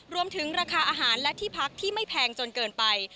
รวมถึงราคาอาหารและที่พักที่ไม่แพงจนเกินไป